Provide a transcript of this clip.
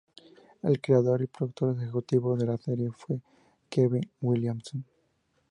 El creador y productor ejecutivo de la serie fue Kevin Williamson.